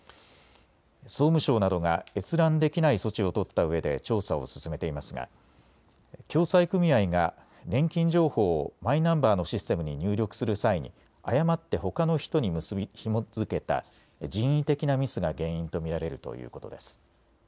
総務省などが閲覧できない措置を取ったうえで調査を進めていますが共済組合が年金情報をマイナンバーのシステムに入力する際に誤ってほかの人にひも付けた人為的なミスが原因と見られるということです。